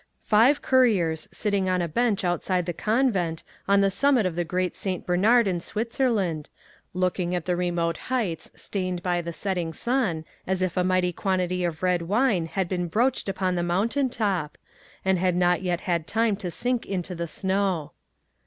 Five couriers, sitting on a bench outside the convent on the summit of the Great St. Bernard in Switzerland, looking at the remote heights, stained by the setting sun as if a mighty quantity of red wine had been broached upon the mountain top, and had not yet had time to sink into the snow.